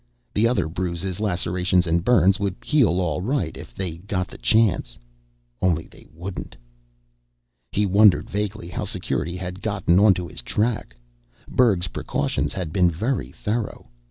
The other bruises, lacerations, and burns would heal all right if they got the chance. Only they wouldn't. He wondered vaguely how Security had gotten onto his track. Berg's precautions had been very thorough.